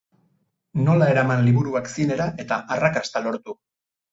Nola eraman liburuak zinera eta arrakasta lortu.